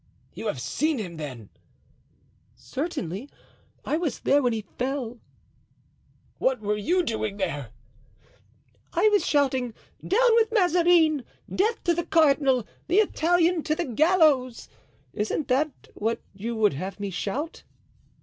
"You have seen him, then?" "Certainly; I was there when he fell." "What were you doing there?" "I was shouting, 'Down with Mazarin!' 'Death to the cardinal!' 'The Italian to the gallows!' Isn't that what you would have me shout?"